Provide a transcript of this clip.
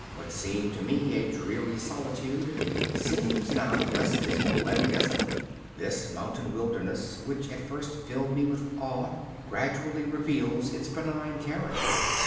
What seemed to me a dreary solitude seems now less dismal and desolate. This mountain wilderness, which at first filled me with awe, gradually reveals its benign character.